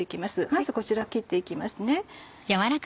まずこちら切って行きますね。